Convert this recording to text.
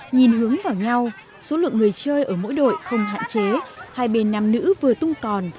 nhìn hướng vào nhau số lượng người chơi ở mỗi đội không hạn chế hai bên nam nữ vừa tung còn